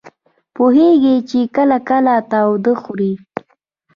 پوهېږي چې کله کله تاوده خوري.